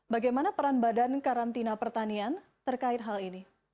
bagaimana peran badan karantina pertanian terkait hal ini